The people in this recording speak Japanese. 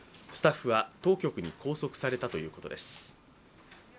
スタッフは当局に拘束されたということです。